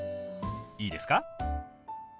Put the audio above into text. いいですか？